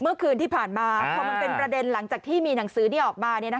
เมื่อคืนที่ผ่านมาพอมันเป็นประเด็นหลังจากที่มีหนังสือนี้ออกมา